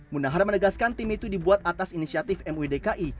munahan menegaskan tim itu dibuat atas inisiatif muidki